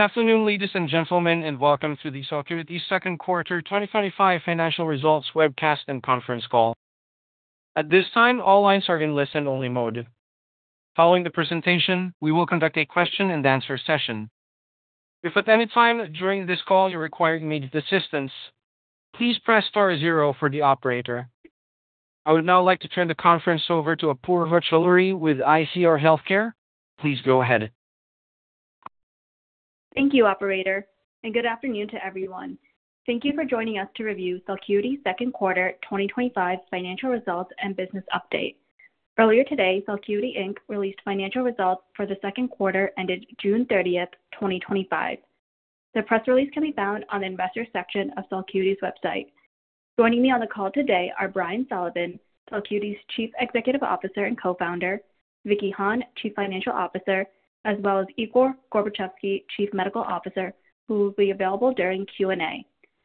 Afternoon, ladies and gentlemen, and welcome to the Celcuity Second Quarter 2025 Financial Results Webcast and Conference Call. At this time, all lines are in listen-only mode. Following the presentation, we will conduct a question-and-answer session. If at any time during this call you require immediate assistance, please press star zero for the operator. I would now like to turn the conference over to Apoorva Chaloori with ICR Healthcare. Please go ahead. Thank you, operator, and good afternoon to everyone. Thank you for joining us to review Celcuity's Second Quarter 2025 Financial Results and Business Update. Earlier today, Celcuity Inc. released financial results for the second quarter ended June 30th, 2025. The press release can be found on the Investors section of Celcuity's website. Joining me on the call today are Brian Sullivan, Celcuity's Chief Executive Officer and Co-Founder, Vicky Hahne, Chief Financial Officer, as well as Igor Gorbatchevsky, Chief Medical Officer, who will be available during Q&A.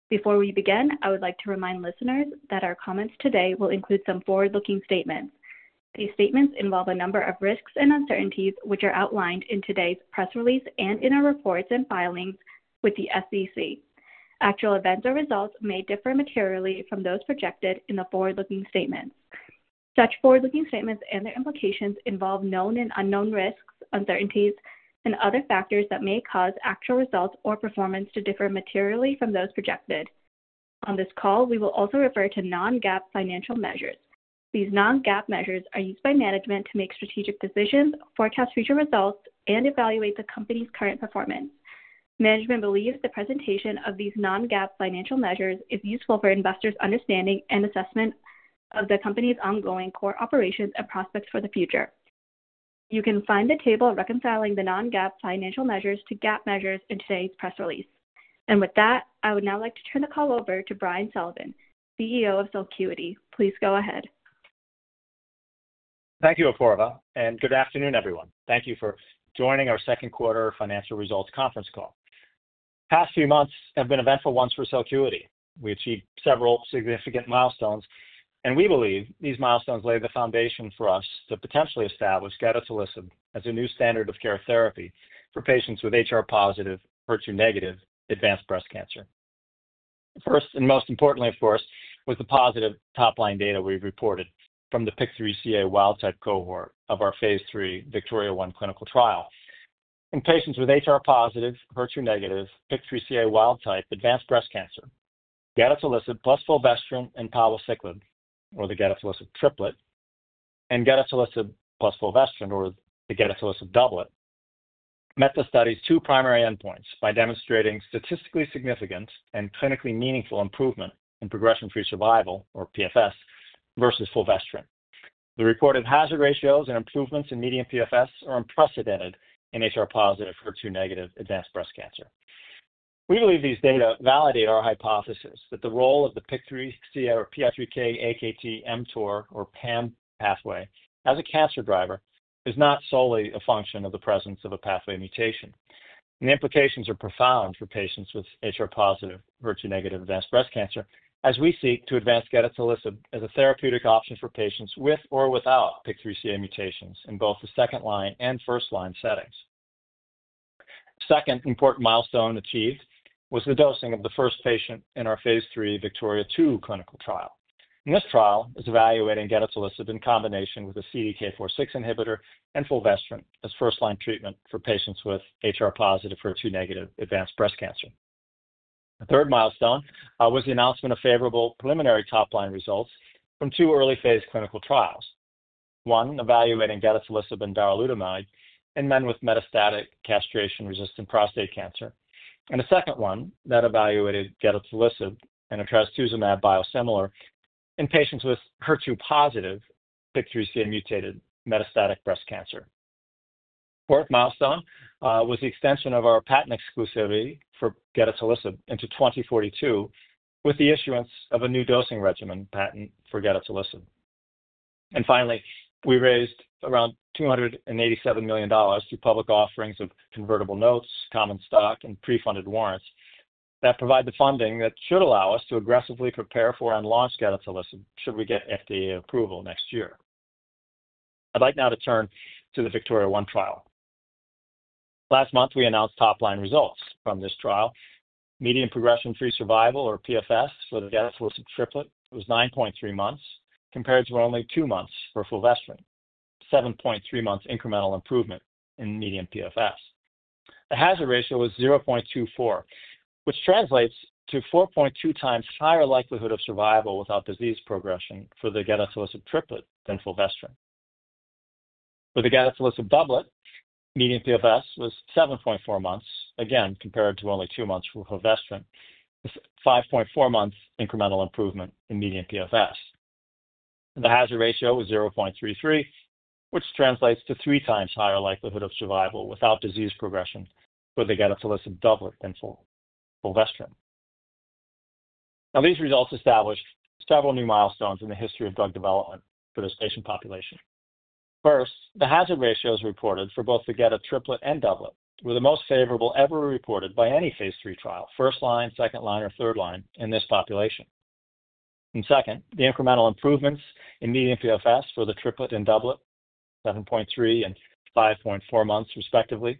Before we begin, I would like to remind listeners that our comments today will include some forward-looking statements. These statements involve a number of risks and uncertainties, which are outlined in today's press release and in our reports and filings with the SEC. Actual events or results may differ materially from those projected in the forward-looking statements. Such forward-looking statements and their implications involve known and unknown risks, uncertainties, and other factors that may cause actual results or performance to differ materially from those projected. On this call, we will also refer to non-GAAP financial measures. These non-GAAP measures are used by management to make strategic decisions, forecast future results, and evaluate the company's current performance. Management believes the presentation of these non-GAAP financial measures is useful for investors' understanding and assessment of the company's ongoing core operations and prospects for the future. You can find the table reconciling the non-GAAP financial measures to GAAP measures in today's press release. With that, I would now like to turn the call over to Brian Sullivan, CEO of Celcuity. Please go ahead. Thank you, Apoorva, and good afternoon, everyone. Thank you for joining our Second Quarter Financial Results Conference Call. The past few months have been eventful ones for Celcuity. We achieved several significant milestones, and we believe these milestones laid the foundation for us to potentially establish gedatolisib as a new standard of care therapy for patients with HR-positive, HER2-negative advanced breast cancer. First and most importantly, of course, was the positive top-line data we reported from the PIK3CA wild type cohort of our phase III, VIKTORIA-1 clinical trial. In patients with HR-positive, HER2-negative, PIK3CA wild type advanced breast cancer, gedatolisib plus fulvestrant and palbociclib, or the gedatolisib triplet, and gedatolisib plus fulvestrant, or the gedatolisib doublet, met the study's two primary endpoints by demonstrating statistically significant and clinically meaningful improvement in progression-free survival, or PFS, versus fulvestrant. The reported hazard ratios and improvements in median PFS are unprecedented in HR-positive, HER2-negative advanced breast cancer. We believe these data validate our hypothesis that the role of the PIK3CA, or PI3K-AKT mTOR, or PAM pathway as a cancer driver is not solely a function of the presence of a pathway mutation. The implications are profound for patients with HR-positive, HER2-negative advanced breast cancer, as we seek to advance gedatolisib as a therapeutic option for patients with or without PIK3CA mutations in both the second-line and first-line settings. The second important milestone achieved was the dosing of the first patient in our phase III, VIKTORIA-2 clinical trial. This trial is evaluating gedatolisib in combination with a CDK4/6 inhibitor and fulvestrant as first-line treatment for patients with HR-positive, HER2-negative advanced breast cancer. The third milestone was the announcement of favorable preliminary top-line results from two early phase clinical trials, one evaluating gedatolisib and darolutamide in men with metastatic castration-resistant prostate cancer, and a second one that evaluated gedatolisib and trastuzumab biosimilar in patients with HER2-positive, PIK3CA-mutated metastatic breast cancer. The fourth milestone was the extension of our patent exclusivity for gedatolisib into 2042 with the issuance of a new dosing regimen patent for gedatolisib. Finally, we raised around $287 million through public offerings of convertible notes, common stock, and pre-funded warrants that provide the funding that should allow us to aggressively prepare for and launch gedatolisib should we get FDA approval next year. I'd like now to turn to the VIKTORIA-1 trial. Last month, we announced top-line results from this trial. Median progression-free survival, or PFS, for the gedatolisib triplet was 9.3 months compared to only two months for fulvestrant. That is a 7.3 months incremental improvement in median PFS. The hazard ratio was 0.24, which translates to 4.2 times higher likelihood of survival without disease progression for the gedatolisib triplet than fulvestrant. For the gedatolisib doublet, median PFS was 7.4 months, again compared to only two months for fulvestrant, with a 5.4 months incremental improvement in median PFS. The hazard ratio was 0.33, which translates to three times higher likelihood of survival without disease progression for the gedatolisib doublet than for fulvestrant. These results established several new milestones in the history of drug development for this patient population. First, the hazard ratios reported for both the gedatolisib triplet and doublet were the most favorable ever reported by any phase III trial, first-line, second-line, or third-line in this population. Second, the incremental improvements in median PFS for the triplet and doublet, 7.3 and 5.4 months respectively,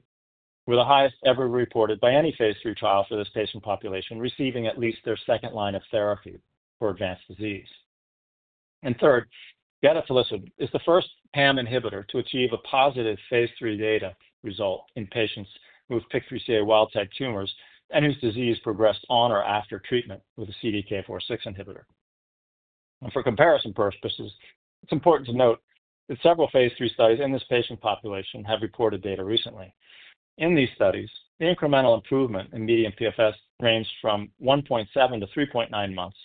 were the highest ever reported by any phase III trial for this patient population receiving at least their second line of therapy for advanced disease. Third, gedatolisib is the first PAM inhibitor to achieve a positive phase III data result in patients with PIK3CA wild type tumors and whose disease progressed on or after treatment with a CDK4/6 inhibitor. For comparison purposes, it's important to note that several phase III studies in this patient population have reported data recently. In these studies, the incremental improvement in median PFS ranged from 1.7-3.9 months,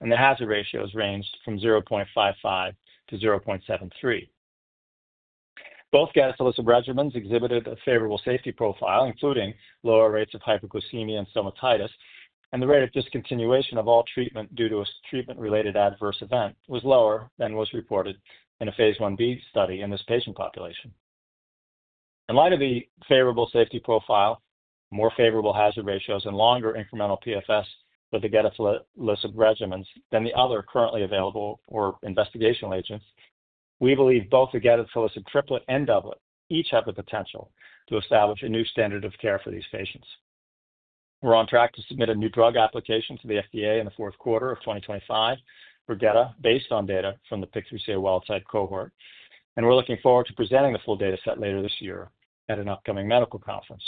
and the hazard ratios ranged from 0.55-0.73. Both gedatolisib regimens exhibited a favorable safety profile, including lower rates of hyperglycemia and stomatitis, and the rate of discontinuation of all treatment due to a treatment-related adverse event was lower than was reported in a phase I-B study in this patient population. In light of the favorable safety profile, more favorable hazard ratios, and longer incremental PFS for the gedatolisib regimens than the other currently available or investigational agents, we believe both the gedatolisib triplet and doublet each have the potential to establish a new standard of care for these patients. We're on track to submit a new drug application to the FDA in the fourth quarter of 2025 for gedatolisib based on data from the PIK3CA wild type cohort, and we're looking forward to presenting the full data set later this year at an upcoming medical conference.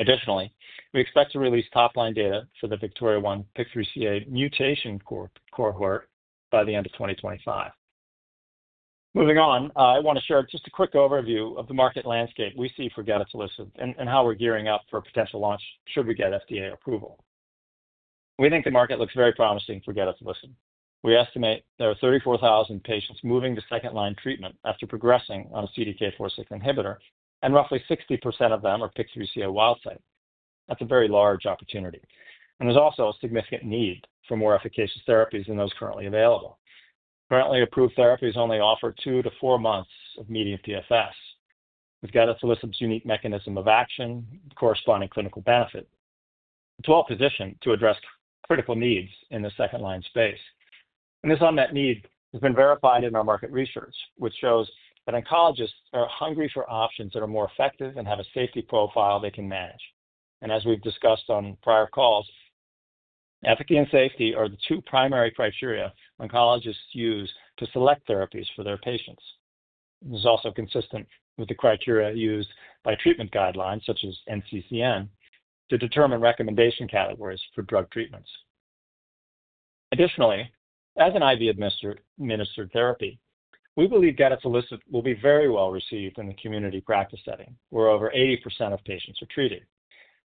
Additionally, we expect to release top-line data for the VIKTORIA-1 PIK3CA mutation cohort by the end of 2025. Moving on, I want to share just a quick overview of the market landscape we see for gedatolisib and how we're gearing up for a potential launch should we get FDA approval. We think the market looks very promising for gedatolisib. We estimate there are 34,000 patients moving to second-line treatment after progressing on a CDK4/6 inhibitor, and roughly 60% of them are PIK3CA wild type. That's a very large opportunity, and there's also a significant need for more efficacious therapies than those currently available. Currently approved therapies only offer two to four months of median PFS. With gedatolisib's unique mechanism of action and corresponding clinical benefit, it's well-positioned to address critical needs in the second-line space. This unmet need has been verified in our market research, which shows that oncologists are hungry for options that are more effective and have a safety profile they can manage. As we've discussed on prior calls, efficacy and safety are the two primary criteria oncologists use to select therapies for their patients. This is also consistent with the criteria used by treatment guidelines such as NCCN to determine recommendation categories for drug treatments. Additionally, as an IV-administered therapy, we believe gedatolisib will be very well received in the community practice setting where over 80% of patients are treated.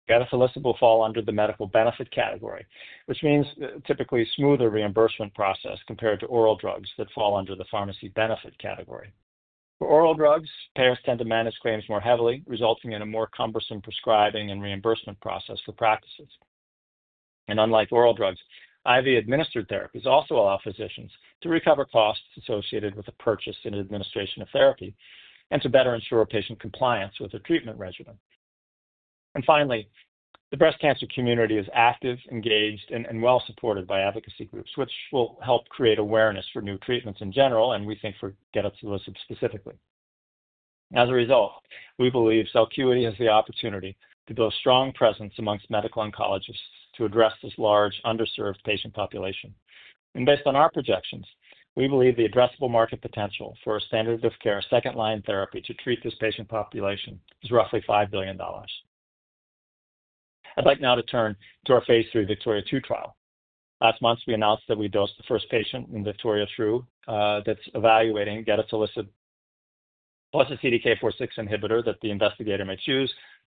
Gedatolisib will fall under the medical benefit category, which means a typically smoother reimbursement process compared to oral drugs that fall under the pharmacy benefit category. For oral drugs, payers tend to manage claims more heavily, resulting in a more cumbersome prescribing and reimbursement process for practices. Unlike oral drugs, IV-administered therapies also allow physicians to recover costs associated with the purchase and administration of therapy and to better ensure patient compliance with their treatment regimen. Finally, the breast cancer community is active, engaged, and well-supported by advocacy groups, which will help create awareness for new treatments in general, and we think for gedatolisib specifically. As a result, we believe Celcuity has the opportunity to build a strong presence amongst medical oncologists to address this large underserved patient population. Based on our projections, we believe the addressable market potential for a standard of care second-line therapy to treat this patient population is roughly $5 billion. I'd like now to turn to our phase III, VIKTORIA-2 trial. Last month, we announced that we dosed the first patient in VIKTORIA-2 that's evaluating gedatolisib plus a CDK4/6 inhibitor that the investigator may choose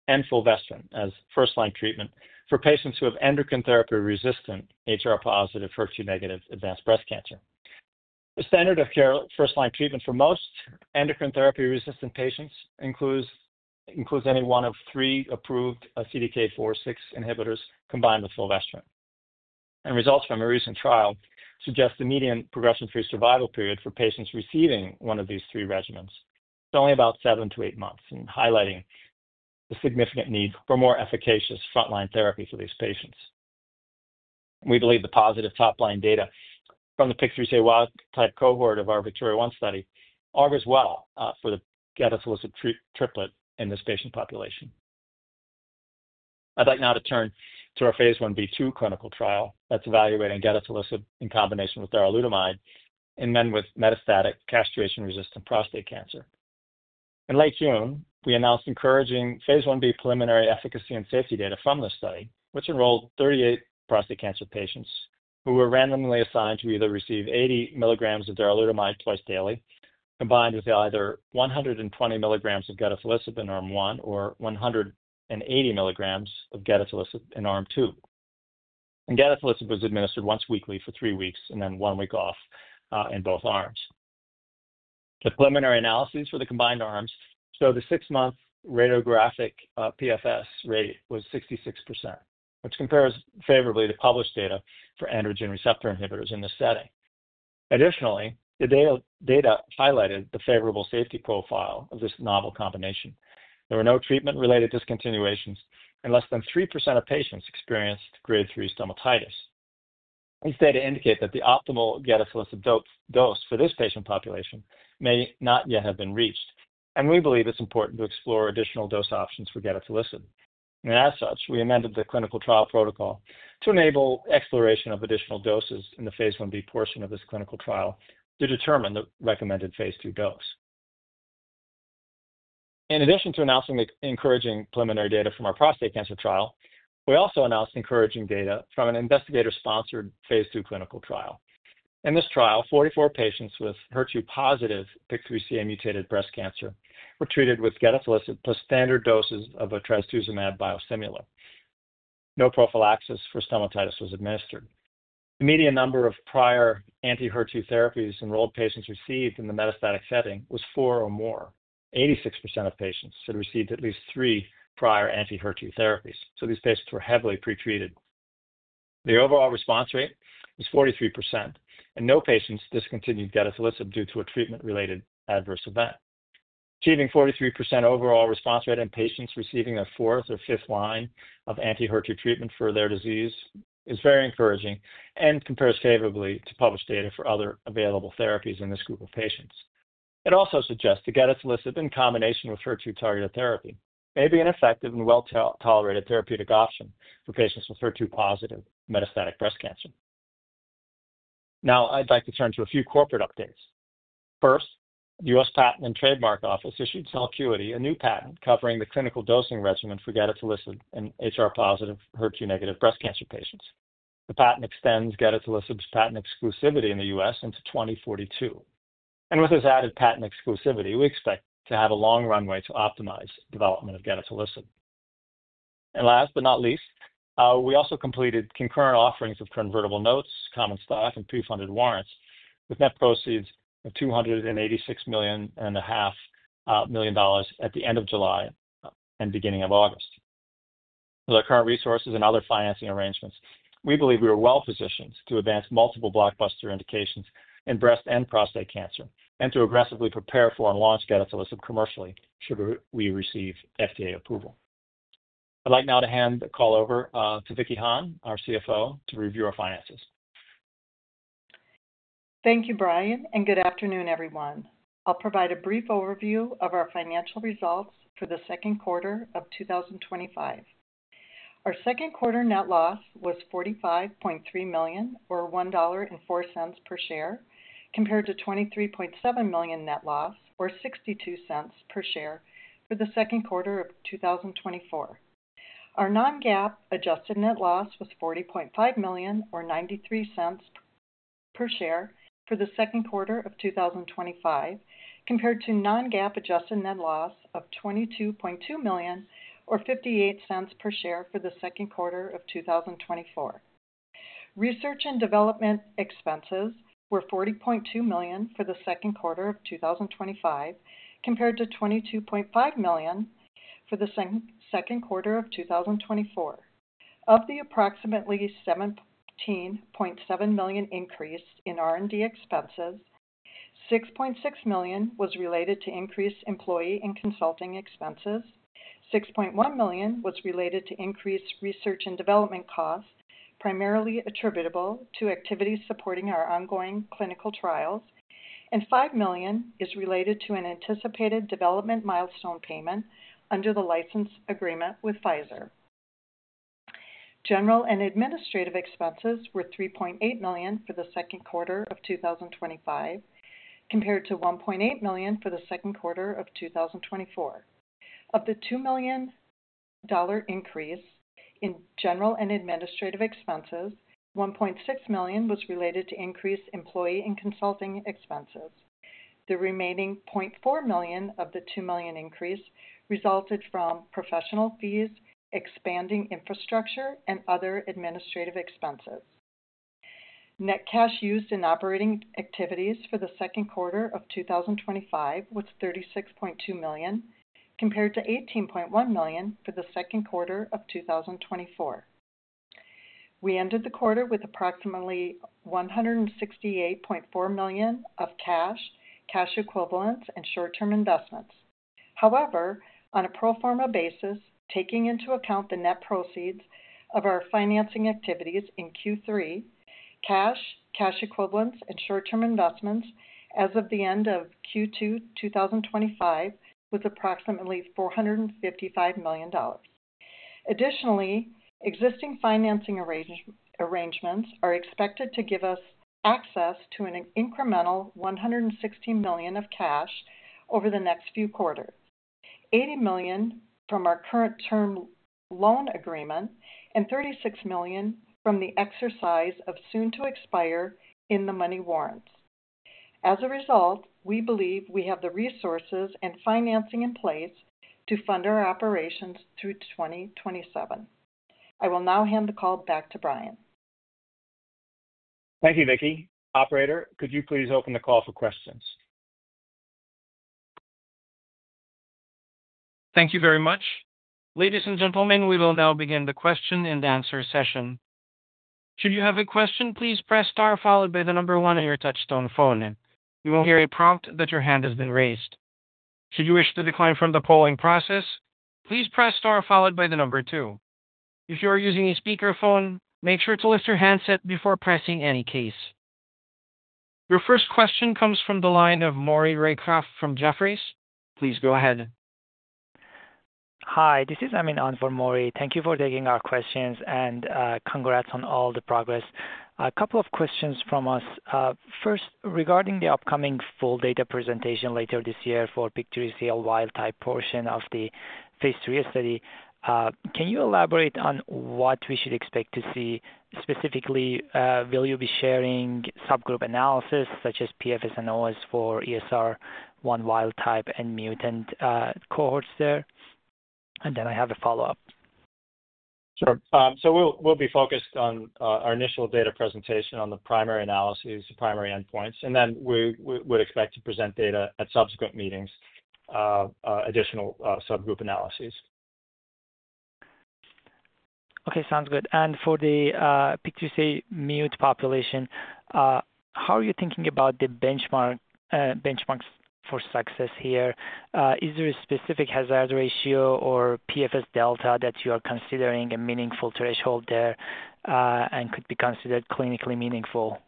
and fulvestrant as first-line treatment for patients who have endocrine therapy-resistant HR-positive, HER2-negative advanced breast cancer. The standard of care first-line treatment for most endocrine therapy-resistant patients includes any one of three approved CDK4/6 inhibitors combined with fulvestrant. Results from a recent trial suggest the median progression-free survival period for patients receiving one of these three regimens is only about seven to eight months, highlighting the significant need for more efficacious front-line therapy for these patients. We believe the positive top-line data from the PIK3CA wild type cohort of our VIKTORIA-1 study augurs well for the gedatolisib triplet in this patient population. I'd like now to turn to our phase I-B2 clinical trial that's evaluating gedatolisib in combination with darolutamide in men with metastatic castration-resistant prostate cancer. In late June, we announced encouraging phase I-B preliminary efficacy and safety data from this study, which enrolled 38 prostate cancer patients who were randomly assigned to either receive 80 mg of darolutamide twice daily combined with either 120 mg of gedatolisib in arm 1 or 180 mg of gedatolisib in arm 2. Gedatolisib was administered once weekly for three weeks and then one week off in both arms. The preliminary analyses for the combined arms show the six-month radiographic PFS rate was 66%, which compares favorably to published data for androgen receptor inhibitors in this setting. Additionally, the data highlighted the favorable safety profile of this novel combination. There were no treatment-related discontinuations, and less than 3% of patients experienced grade 3 stomatitis. These data indicate that the optimal gedatolisib dose for this patient population may not yet have been reached. We believe it's important to explore additional dose options for gedatolisib. As such, we amended the clinical trial protocol to enable exploration of additional doses in the phase I-B portion of this clinical trial to determine the recommended phase II dose. In addition to announcing the encouraging preliminary data from our prostate cancer trial, we also announced encouraging data from an investigator-sponsored phase II clinical trial. In this trial, 44 patients with HER2-positive PIK3CA-mutated breast cancer were treated with gedatolisib plus standard doses of a trastuzumab biosimilar. No prophylaxis for stomatitis was administered. The median number of prior anti-HER2 therapies enrolled patients received in the metastatic setting was four or more. 86% of patients had received at least three prior anti-HER2 therapies, so these patients were heavily pretreated. The overall response rate was 43%, and no patients discontinued gedatolisib due to a treatment-related adverse event. Achieving 43% overall response rate in patients receiving a fourth or fifth line of anti-HER2 treatment for their disease is very encouraging and compares favorably to published data for other available therapies in this group of patients. It also suggests that gedatolisib in combination with HER2 targeted therapy may be an effective and well-tolerated therapeutic option for patients with HER2-positive metastatic breast cancer. Now, I'd like to turn to a few corporate updates. First, the U.S. Patent and Trademark Office issued Celcuity a new patent covering the clinical dosing regimen for gedatolisib in HR-positive, HER2-negative breast cancer patients. The patent extends gedatolisib's patent exclusivity in the U.S. into 2042. With this added patent exclusivity, we expect to have a long runway to optimize the development of gedatolisib. Last but not least, we also completed concurrent offerings of convertible notes, common stock, and pre-funded warrants with net proceeds of $286 million and $0.5 million at the end of July and beginning of August. With our current resources and other financing arrangements, we believe we are well-positioned to advance multiple blockbuster indications in breast and prostate cancer and to aggressively prepare for and launch gedatolisib commercially should we receive FDA approval. I'd like now to hand the call over to Vicky Hahne, our CFO, to review our finances. Thank you, Brian, and good afternoon, everyone. I'll provide a brief overview of our financial results for the second quarter of 2025. Our second quarter net loss was $45.3 million, or $1.04 per share, compared to $23.7 million net loss, or $0.62 per share for the second quarter of 2024. Our non-GAAP adjusted net loss was $40.5 million, or $0.93 per share for the second quarter of 2025, compared to non-GAAP adjusted net loss of $22.2 million, or $0.58 per share for the second quarter of 2024. Research and development expenses were $40.2 million for the second quarter of 2025, compared to $22.5 million for the second quarter of 2024. Of the approximately $17.7 million increase in R&D expenses, $6.6 million was related to increased employee and consulting expenses, $6.1 million was related to increased research and development costs, primarily attributable to activities supporting our ongoing clinical trials, and $5 million is related to an anticipated development milestone payment under the license agreement with Pfizer. General and administrative expenses were $3.8 million for the second quarter of 2025, compared to $1.8 million for the second quarter of 2024. Of the $2 million increase in general and administrative expenses, $1.6 million was related to increased employee and consulting expenses. The remaining $0.4 million of the $2 million increase resulted from professional fees, expanding infrastructure, and other administrative expenses. Net cash used in operating activities for the second quarter of 2025 was $36.2 million, compared to $18.1 million for the second quarter of 2024. We ended the quarter with approximately $168.4 million of cash, cash equivalents, and short-term investments. However, on a pro forma basis, taking into account the net proceeds of our financing activities in Q3, cash, cash equivalents, and short-term investments as of the end of Q2 2025 was approximately $455 million. Additionally, existing financing arrangements are expected to give us access to an incremental $116 million of cash over the next few quarters, $80 million from our current term loan agreement, and $36 million from the exercise of soon-to-expire in the money warrants. As a result, we believe we have the resources and financing in place to fund our operations through 2027. I will now hand the call back to Brian. Thank you, Vicky. Operator, could you please open the call for questions? Thank you very much. Ladies and gentlemen, we will now begin the question-and-answer session. Should you have a question, please press star followed by the number one on your touch-tone phone. You will hear a prompt that your hand has been raised. Should you wish to decline from the polling process, please press star followed by the number two. If you are using a speakerphone, make sure to lift your handset before pressing any keys. Your first question comes from the line of Maury Raycroft from Jefferies. Please go ahead. Hi, this is Amin Makarem for Maury Raycroft. Thank you for taking our questions and congrats on all the progress. A couple of questions from us. First, regarding the upcoming full data presentation later this year for PIK3CA wild type portion of the phase III study, can you elaborate on what we should expect to see? Specifically, will you be sharing subgroup analysis such as PFS and OS for ESR1 wild type and mutant cohorts there? I have a follow-up. We'll be focused on our initial data presentation on the primary analyses, the primary endpoints, and then we would expect to present data at subsequent meetings, additional subgroup analyses. Okay, sounds good. For the PIK3CA-mutated population, how are you thinking about the benchmarks for success here? Is there a specific hazard ratio or PFS delta that you are considering a meaningful threshold there and could be considered clinically meaningful?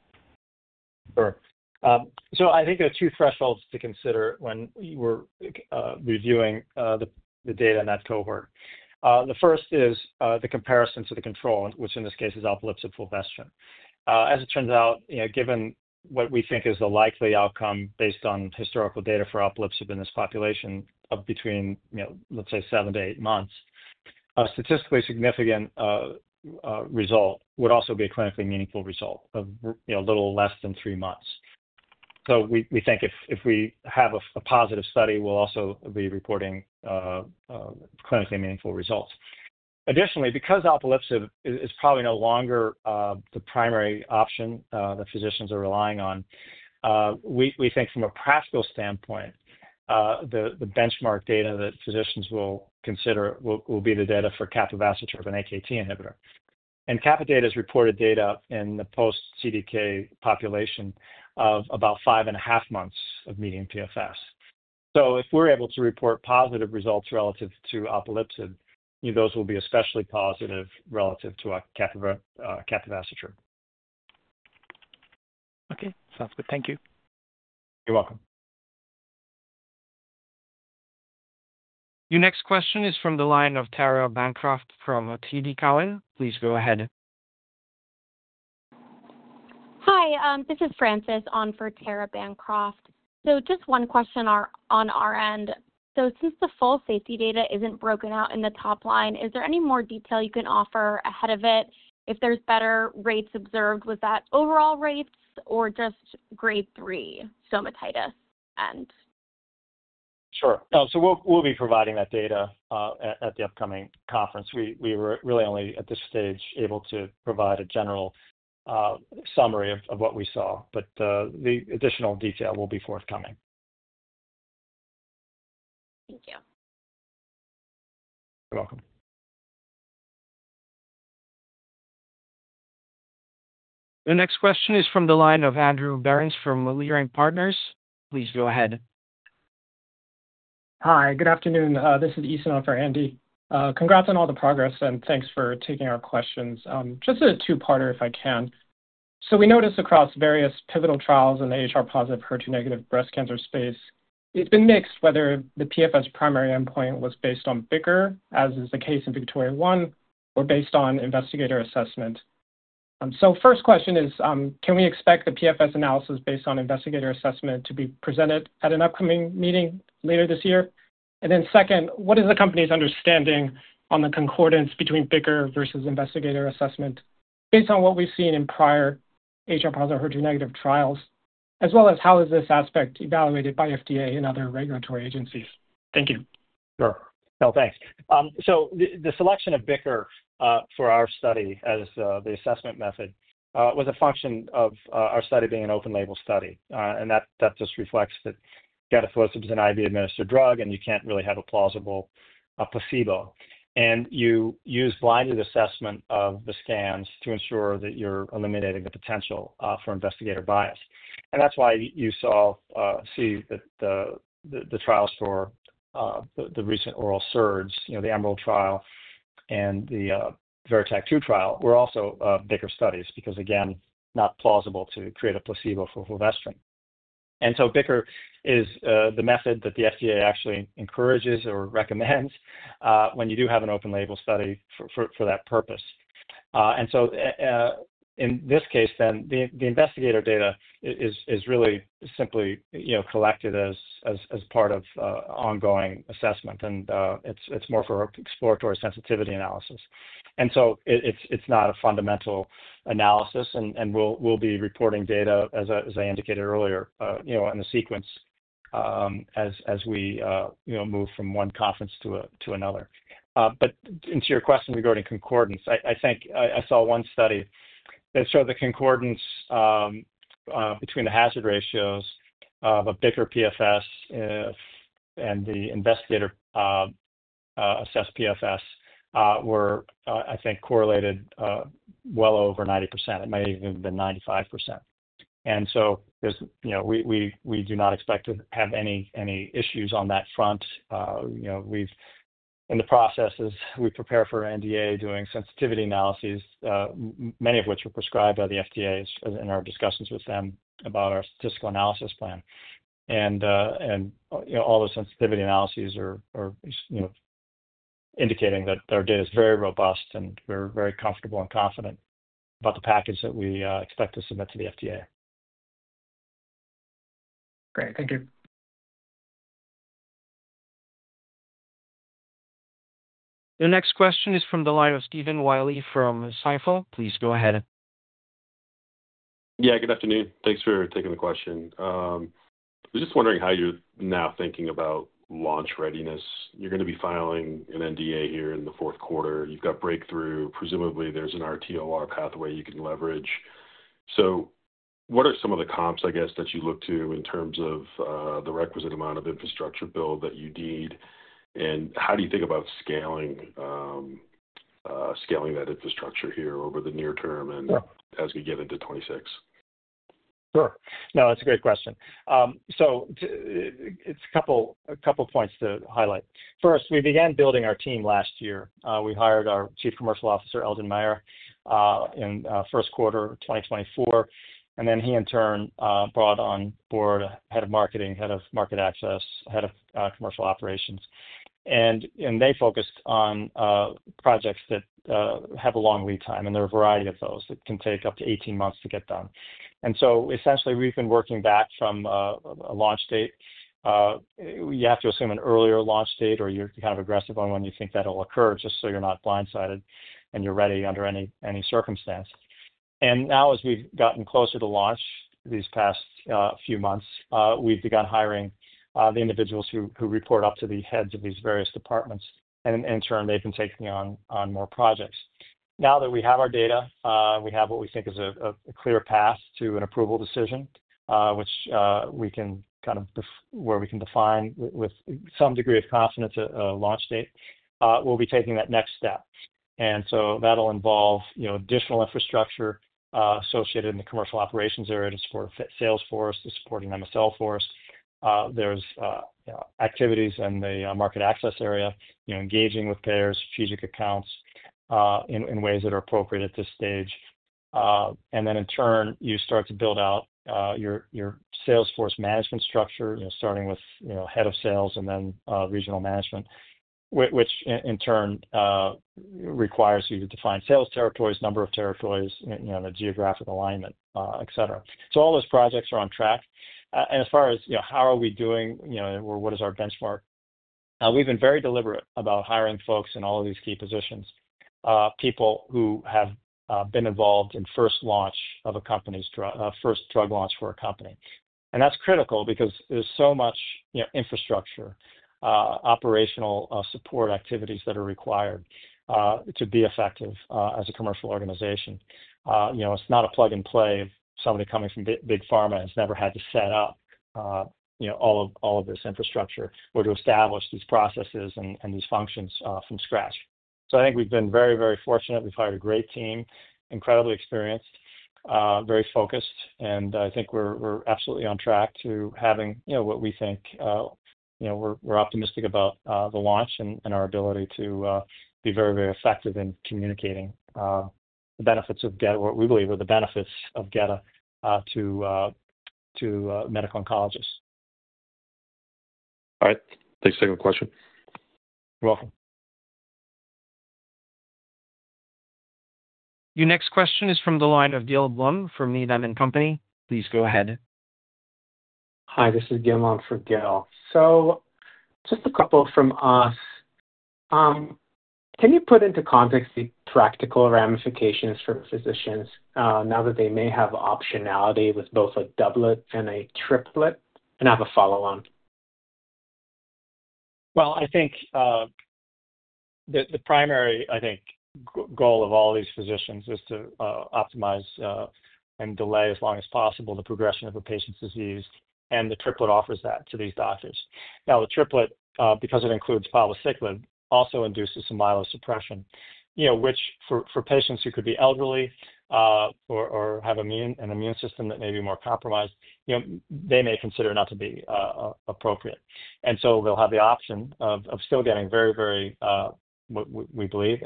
Sure. I think there are two thresholds to consider when we're reviewing the data in that cohort. The first is the comparison to the control, which in this case is alpelisib fulvestrant. As it turns out, given what we think is the likely outcome based on historical data for alpelisib in this population of between, let's say, seven to eight months, a statistically significant result would also be a clinically meaningful result of a little less than three months. We think if we have a positive study, we'll also be reporting clinically meaningful results. Additionally, because alpelisib is probably no longer the primary option that physicians are relying on, we think from a practical standpoint, the benchmark data that physicians will consider will be the data for capivasertib AKT inhibitor. Capivasertib data is reported data in the post-CDK population of about five and a half months of median PFS. If we're able to report positive results relative to alpelisib, those will be especially positive relative to capivasertib. Okay, sounds good. Thank you. You're welcome. Your next question is from the line of Tara Bancroft from TD Cowen. Please go ahead. Hi, this is Frances on for Tara Bancroft. Just one question on our end. Since the full safety data isn't broken out in the top line, is there any more detail you can offer ahead of it? If there's better rates observed, was that overall rates or just grade 3 stomatitis? Sure. We will be providing that data at the upcoming conference. We were really only at this stage able to provide a general summary of what we saw, but the additional detail will be forthcoming. The next question is from the line of Andrew Berens from Leerink Partners. Please go ahead. Hi, good afternoon. This is Eason on for Andy. Congrats on all the progress and thanks for taking our questions. Just a two-parter if I can. We noticed across various pivotal trials in the HR-positive, HER2-negative breast cancer space, it's been mixed whether the PFS primary endpoint was based on BICR, as is the case in VIKTORIA-1, or based on investigator assessment. First question is, can we expect the PFS analysis based on investigator assessment to be presented at an upcoming meeting later this year? Second, what is the company's understanding on the concordance between BICR versus investigator assessment based on what we've seen in prior HR-positive, HER2-negative trials, as well as how is this aspect evaluated by FDA and other regulatory agencies? Thank you. No, thanks. The selection of BICR for our study as the assessment method was a function of our study being an open-label study, and that just reflects that gedatolisib is an IV-administered drug and you can't really have a plausible placebo. You use blinded assessment of the scans to ensure that you're eliminating the potential for investigator bias. That's why you see that the trials for the recent oral SERDs, the Emerald trial and the Veritech 2 trial, were also BICR studies because, again, it's not plausible to create a placebo for fulvestrant. BICR is the method that the FDA actually encourages or recommends when you do have an open-label study for that purpose. In this case, the investigator data is really simply collected as part of ongoing assessment, and it's more for exploratory sensitivity analysis. It's not a fundamental analysis, and we'll be reporting data, as I indicated earlier, in a sequence as we move from one conference to another. To your question regarding concordance, I think I saw one study that showed the concordance between the hazard ratios of a BICR PFS and the investigator-assessed PFS were, I think, correlated well over 90%. It might even have been 95%. We do not expect to have any issues on that front. In the processes, we prepare for NDA doing sensitivity analyses, many of which are prescribed by the FDA in our discussions with them about our statistical analysis plan. All those sensitivity analyses are indicating that our data is very robust and we're very comfortable and confident about the package that we expect to submit to the FDA. Great. Thank you. The next question is from the line of Stephen Willey from Stifel. Please go ahead. Good afternoon. Thanks for taking the question. I was just wondering how you're now thinking about launch readiness. You're going to be filing an NDA here in the fourth quarter. You've got breakthrough. Presumably, there's an RTOR pathway you can leverage. What are some of the comps that you look to in terms of the requisite amount of infrastructure build that you need? How do you think about scaling that infrastructure here over the near term and as we get into 2026? Sure. No, that's a great question. It's a couple of points to highlight. First, we began building our team last year. We hired our Chief Commercial Officer, Eldon Meyer, in the first quarter of 2024. He, in turn, brought on board a Head of Marketing, Head of Market Access, and Head of Commercial Operations. They focused on projects that have a long lead time, and there are a variety of those that can take up to 18 months to get done. Essentially, we've been working back from a launch date. You have to assume an earlier launch date or you're kind of aggressive on when you think that'll occur just so you're not blindsided and you're ready under any circumstance. As we've gotten closer to launch these past few months, we've begun hiring the individuals who report up to the heads of these various departments. In turn, they've been taking on more projects. Now that we have our data, we have what we think is a clear path to an approval decision, where we can define with some degree of confidence a launch date, we'll be taking that next step. That'll involve additional infrastructure associated in the commercial operations area to support Salesforce, to supporting them as Salesforce. There are activities in the market access area, engaging with payers and strategic accounts in ways that are appropriate at this stage. In turn, you start to build out your Salesforce management structure, starting with Head of Sales and then regional management, which in turn requires you to define sales territories, number of territories, the geographic alignment, etc. All those projects are on track. As far as how are we doing or what is our benchmark, we've been very deliberate about hiring folks in all of these key positions, people who have been involved in first launch of a company's drug, first drug launch for a company. That's critical because there's so much infrastructure and operational support activities that are required to be effective as a commercial organization. It's not a plug and play of somebody coming from Big Pharma who has never had to set up all of this infrastructure or to establish these processes and these functions from scratch. I think we've been very, very fortunate. We've hired a great team, incredibly experienced, very focused, and I think we're absolutely on track to having what we think. We're optimistic about the launch and our ability to be very, very effective in communicating the benefits of what we believe are the benefits of gedatolisib to medical oncologists. All right. Thanks for taking the question. You're welcome. Your next question is from the line of Gil Blum from Needham & Company. Please go ahead. Hi, this is Gil Blum for Gil. Just a couple from us. Can you put into context the practical ramifications for physicians now that they may have optionality with both a doublet and a triplet? I have a follow-on. I think the primary goal of all these physicians is to optimize and delay as long as possible the progression of a patient's disease, and the triplet offers that to these doctors. Now, the triplet, because it includes palbociclib, also induces some myelosuppression, which for patients who could be elderly or have an immune system that may be more compromised, they may consider not to be appropriate. They'll have the option of still getting very, very, what we believe,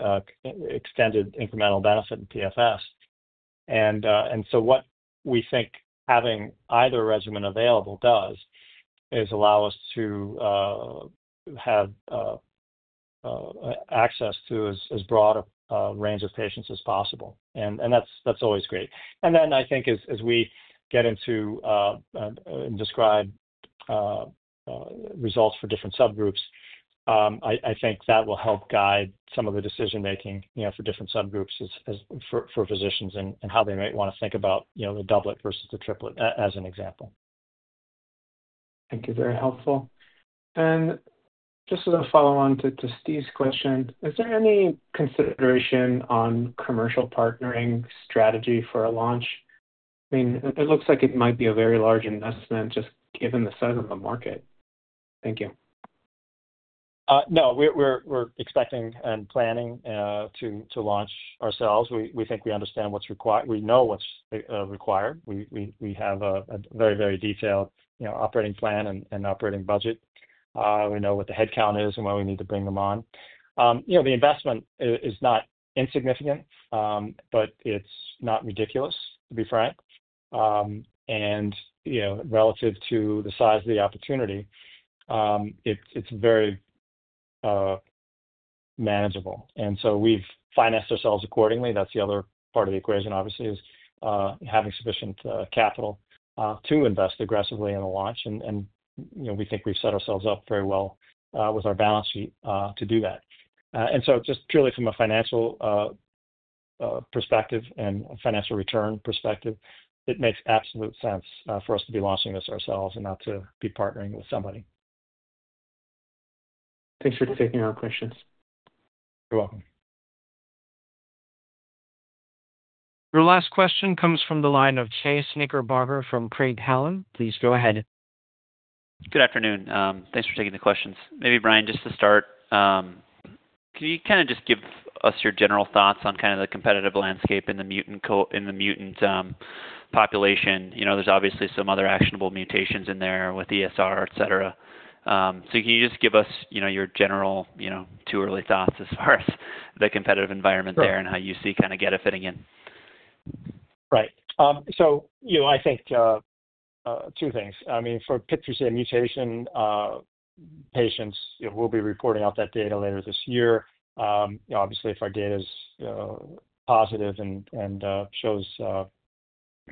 extended incremental benefit in PFS. What we think having either regimen available does is allow us to have access to as broad a range of patients as possible. That's always great. I think as we get into and describe results for different subgroups, that will help guide some of the decision-making for different subgroups for physicians and how they might want to think about the doublet versus the triplet as an example. Thank you. Very helpful. Just as a follow-on to Steve's question, is there any consideration on commercial partnering strategy for a launch? It looks like it might be a very large investment just given the size of the market. Thank you. No, we're expecting and planning to launch ourselves. We think we understand what's required. We know what's required. We have a very, very detailed operating plan and operating budget. We know what the headcount is and why we need to bring them on. The investment is not insignificant, but it's not ridiculous, to be frank. Relative to the size of the opportunity, it's very manageable. We have financed ourselves accordingly. That's the other part of the equation, obviously, is having sufficient capital to invest aggressively in a launch. We think we've set ourselves up very well with our balance sheet to do that. Just purely from a financial perspective and a financial return perspective, it makes absolute sense for us to be launching this ourselves and not to be partnering with somebody. Thanks for taking our questions. You're welcome. Your last question comes from the line of Chase Knickerbocker from Craig-Hallum Capital Group. Please go ahead. Good afternoon. Thanks for taking the questions. Maybe Brian, just to start, could you give us your general thoughts on the competitive landscape in the mutant population? There's obviously some other actionable mutations in there with ESR, etc. Can you give us your general thoughts as far as the competitive environment there and how you see kind of gedatolisib fitting in? Right. I think two things. For PIK3CA mutation patients, we'll be reporting out that data later this year. Obviously, if our data is positive and shows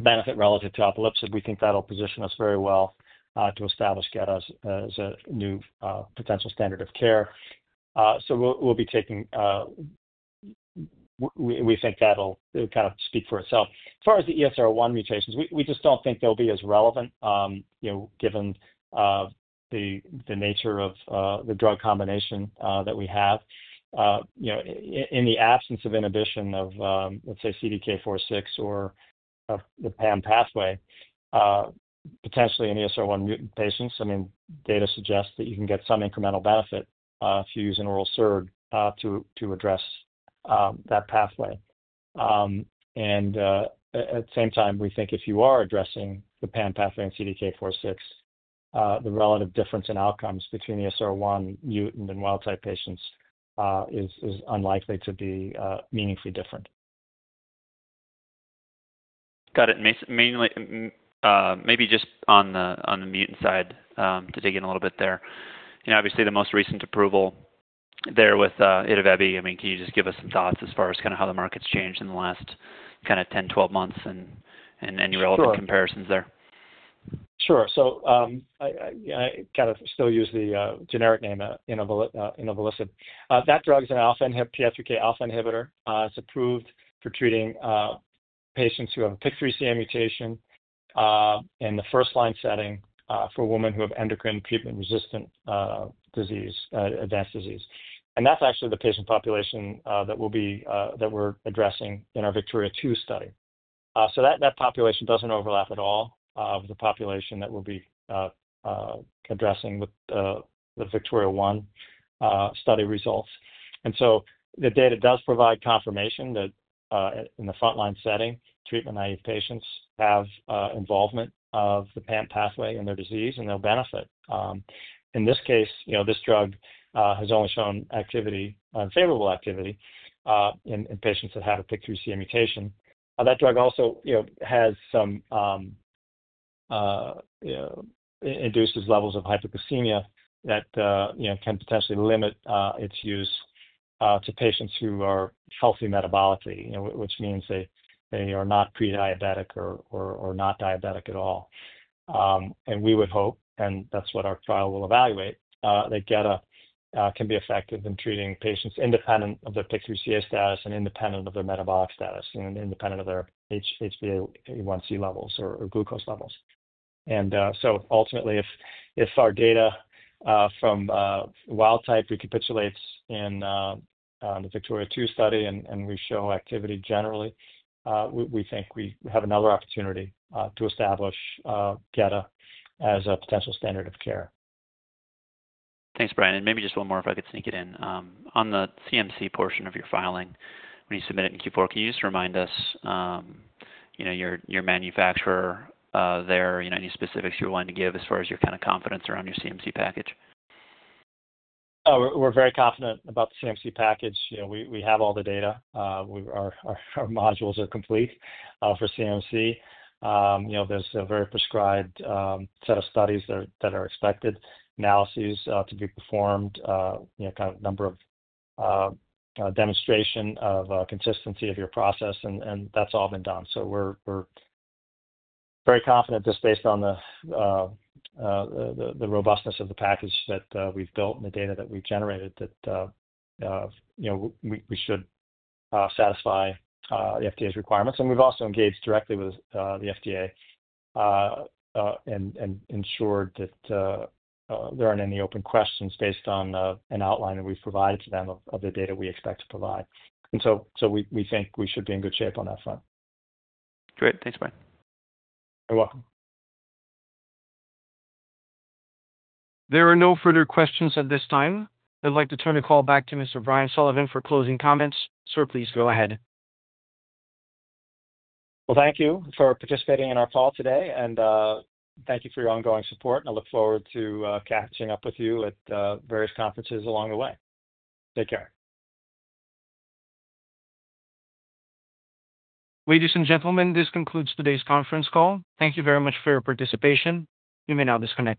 benefit relative to alpelisib, we think that'll position us very well to establish gedatolisib as a new potential standard of care. We think that'll kind of speak for itself. As far as the ESR-1 mutations, we just don't think they'll be as relevant given the nature of the drug combination that we have. In the absence of inhibition of, let's say, CDK4/6 or the PI3K/AKT/mTOR pathway, potentially in ESR-1 mutant patients, data suggests that you can get some incremental benefit if you use an oral SERD to address that pathway. At the same time, we think if you are addressing the PI3K/AKT/mTOR pathway and CDK4/6, the relative difference in outcomes between the ESR-1 mutant and wild type patients is unlikely to be meaningfully different. Got it. Maybe just on the mutant side to dig in a little bit there. Obviously, the most recent approval there with alpelisib, can you just give us some thoughts as far as kind of how the market's changed in the last 10, 12 months and any relevant comparisons there? Sure. I kind of still use the generic name alpelisib. That drug's a PI3K alpha inhibitor. It's approved for treating patients who have a PIK3CA mutation in the first-line setting for women who have endocrine treatment-resistant disease, advanced disease. That's actually the patient population that we're addressing in our VIKTORIA-2 study. That population doesn't overlap at all with the population that we'll be addressing with the VIKTORIA-1 study results. The data does provide confirmation that in the front-line setting, treatment-naive patients have involvement of the PI3K/AKT/mTOR pathway in their disease, and they'll benefit. In this case, this drug has only shown favorable activity in patients that have a PIK3CA mutation. That drug also induces levels of hyperglycemia that can potentially limit its use to patients who are healthy metabolically, which means they are not prediabetic or not diabetic at all. We would hope, and that's what our trial will evaluate, that gedatolisib can be effective in treating patients independent of their PIK3CA status and independent of their metabolic status and independent of their HbA1c levels or glucose levels. Ultimately, if our data from wild type recapitulates in the VIKTORIA-2 study and we show activity generally, we think we have another opportunity to establish gedatolisib as a potential standard of care. Thanks, Brian. Maybe just a little more if I could sneak it in. On the CMC portion of your filing, when you submit it in Q4, can you just remind us, you know, your manufacturer there, any specifics you're wanting to give as far as your kind of confidence around your CMC package? We're very confident about the CMC package. We have all the data. Our modules are complete for CMC. There's a very prescribed set of studies that are expected, analyses to be performed, a number of demonstrations of consistency of your process, and that's all been done. We're very confident just based on the robustness of the package that we've built and the data that we've generated that we should satisfy the FDA's requirements. We've also engaged directly with the FDA and ensured that there aren't any open questions based on an outline that we've provided to them of the data we expect to provide. We think we should be in good shape on that front. Great. Thanks, Brian. You're welcome. There are no further questions at this time. I'd like to turn the call back to Mr. Brian Sullivan for closing comments. Sir, please go ahead. Thank you for participating in our call today, and thank you for your ongoing support. I look forward to catching up with you at various conferences along the way. Take care. Ladies and gentlemen, this concludes today's conference call. Thank you very much for your participation. You may now disconnect.